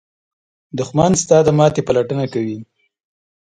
دښمن ستا د ماتې پلټنه کوي